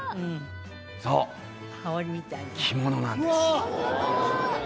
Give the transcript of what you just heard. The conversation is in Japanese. そう着物なんです